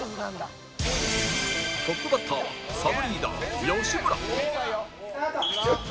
トップバッターはサブリーダー吉村スタート。